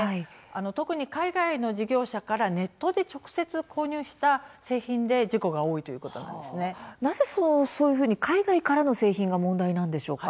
特に海外の事業者からネットで直接購入した製品でなぜ海外からの製品が問題なんでしょうか。